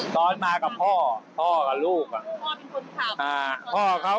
ตอนมากับพ่อพ่อกับลูกอ่ะพ่อเป็นคนขับอ่าพ่อเขา